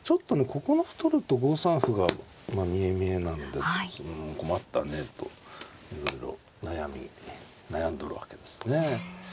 ここの歩取ると５三歩が見え見えなんでそれも困ったねといろいろ悩み悩んどるわけですね。